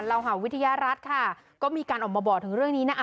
หาวิทยารัฐค่ะก็มีการออกมาบอกถึงเรื่องนี้นะ